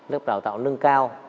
lớp đào tạo nâng cao